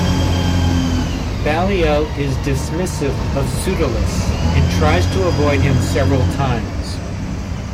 Ballio is dismissive of Pseudolus, and tries to avoid him several times.